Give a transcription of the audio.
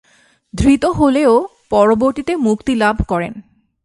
ধৃত হলেও পরবর্তীতে মুক্তিলাভ করেন।